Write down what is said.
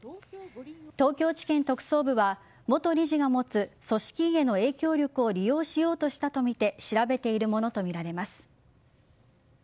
東京地検特捜部は元理事が持つ組織委への影響力を利用しようとしたとみて調べているものとみられます。